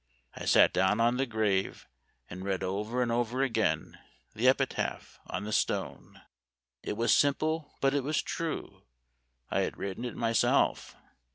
I sat down on the grave and read over and over again the epitaph on the stone. " It was simple, but it was true. I had writ ten it myself.